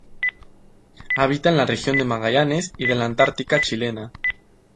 Habita en la Región de Magallanes y de la Antártica Chilena.